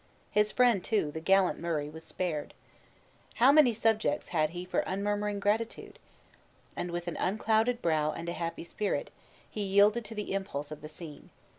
His friend, too, the gallant Murray, was spared. How many subjects had he for unmurmuring gratitude! And with an unclouded brow and a happy spirit, he yielded to the impulse of the scene.